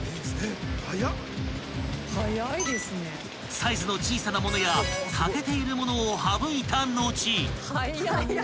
［サイズの小さな物や欠けている物を省いた後］